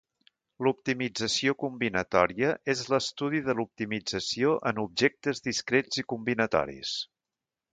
L'optimització combinatòria és l'estudi de l'optimització en objectes discrets i combinatoris.